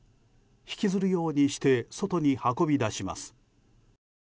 引きずるようにして外に運び出します。